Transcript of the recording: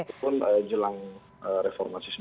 walaupun jelang reformasi sembilan puluh delapan